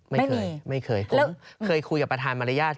ไม่เคยไม่เคยผมเคยคุยกับประธานมารยาท